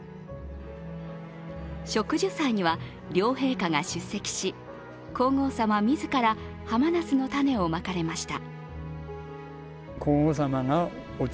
植樹祭には両陛下が出席し皇后さま自ら、ハマナスの種をまかれました。